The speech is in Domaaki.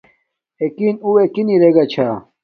اݵکِن اُݸ اݵکِن رݵگݳ چھݳ.